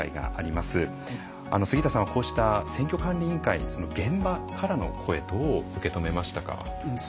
杉田さんはこうした選挙管理委員会現場からの声どう受け止めましたか？